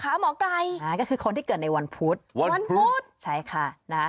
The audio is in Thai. หมอไก่อ่าก็คือคนที่เกิดในวันพุธวันพุธใช่ค่ะนะฮะ